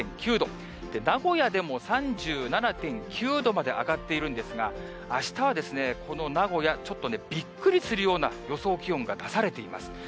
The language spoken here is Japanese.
名古屋でも３７．９度まで上がっているんですが、あしたはこの名古屋、ちょっとね、びっくりするような予想気温が出されています。